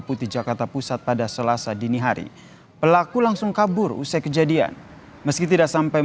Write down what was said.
putih jakarta pusat pada selasa dini hari pelaku langsung kabur usai kejadian meski tidak sampai